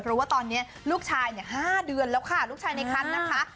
เพราะว่าตอนนี้ลูกชาย๕เดือนแล้วค่ะลูกชายในคันนะคะ